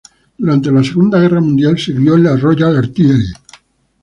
Durante la Segunda Guerra Mundial sirvió en la Royal Artillery.